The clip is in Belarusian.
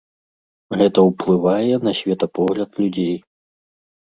Гэта ўплывае на светапогляд людзей.